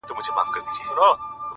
پر هندو او مسلمان یې سلطنت وو-